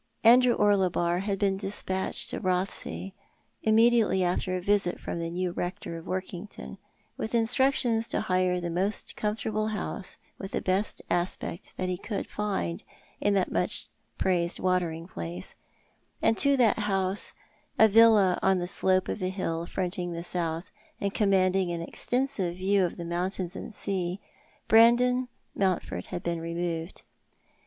Andrew Orlebar had been despatched to Rothesay, immediately after a visit from the new Eector of Workington, with instructions to hire the most comfortable house, with the best aspect, that he could find in that much praised watering place ; and to that house, a villa on the slope of a hill fronting the south, and command ing an extensive view of mountains and sea, Brandon Mount ford had been removed.